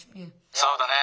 そうだね。